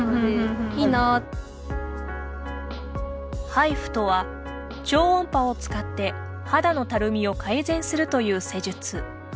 ハイフとは、超音波を使って肌のたるみを改善するという施術。